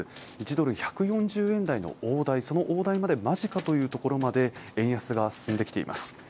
１ドル＝１４０円台の大台その大台まで間近というところまで円安が進んできています